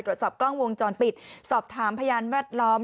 ตรวจสอบกล้องวงจรปิดสอบถามพยานแวดล้อม